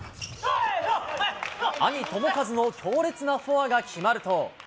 兄、智和の強烈なフォアが決まると。